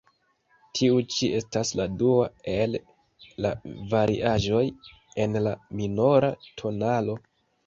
Tiu ĉi estas la dua el la variaĵoj en la minora tonalo.